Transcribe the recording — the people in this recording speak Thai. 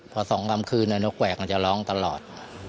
พอสองกลั้มคืนน้กแหวคจะล้องตลอด